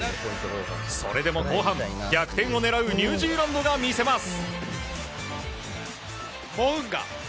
それでも後半、逆転を狙うニュージーランドが見せます！